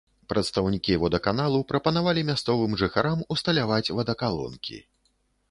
Прадстаўнікі водаканалу прапанавалі мясцовым жыхарам усталяваць вадакалонкі.